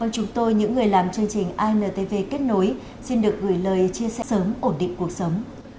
chúng tôi những người làm chương trình intv kết nối xin được gửi lời chia sẽ sớm ổn định cuộc sống